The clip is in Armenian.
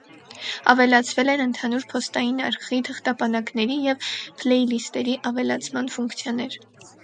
Ավելացվել են ընդհանուր փոստային արկղի, թղթապանակների և փլեյլիստերի ավելացման ֆունկցիաներ։